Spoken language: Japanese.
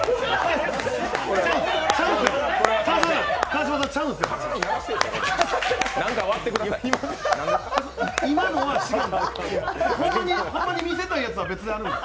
川島さん、ちゃうんですよ。